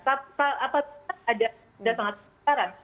apakah sudah sangat sekarang